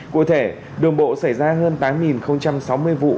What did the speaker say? cụ thể đường bộ xảy ra hơn tám sáu mươi vụ